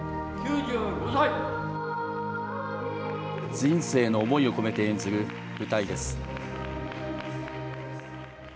人生の思いを込めて演じる舞台です。